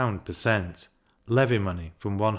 per cent. levy money from 100l.